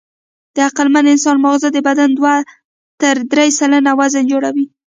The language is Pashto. د عقلمن انسان ماغزه د بدن دوه تر درې سلنه وزن جوړوي.